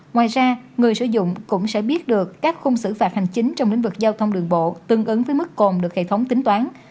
ngoài ra người sử dụng cũng sẽ biết được các khung xử phạt hành chính trong lĩnh vực giao thông đường bộ tương ứng với mức cồn được hệ thống tính toán